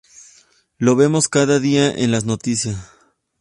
Lo vemos cada día en las noticias.